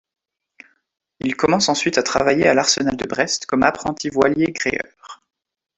Il commence ensuite à travailler à l'arsenal de Brest, comme apprenti voilier-gréeur.